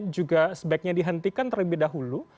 juga sebaiknya dihentikan terlebih dahulu